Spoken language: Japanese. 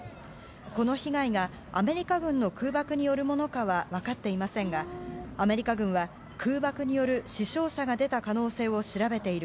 この被害がアメリカ軍の空爆によるものかは分かっていませんがアメリカ軍は空爆による死傷者が出た可能性を調べている。